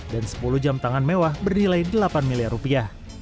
dan sepuluh jam tangan mewah bernilai delapan miliar rupiah